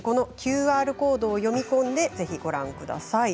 ＱＲコード読み込んでご覧ください。